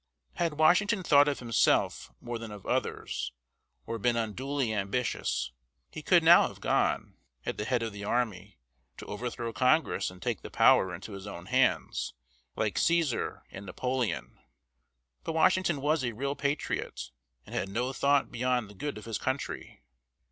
Had Washington thought of himself more than of others, or been unduly ambitious, he could now have gone, at the head of the army, to overthrow Congress and take the power into his own hands, like Cæsar and Napoleon. But Washington was a real patriot, and had no thought beyond the good of his country.